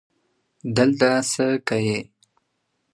دلته څه که یې